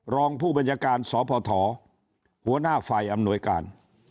รองผู้บัญชาการสพหัวหน้าฝ่ายอำนวยการ